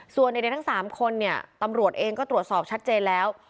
ส่วนเด็กทั้ง๓คนเนี่ยตำรวจเองก็ตรวจสอบชัดเจนแล้ว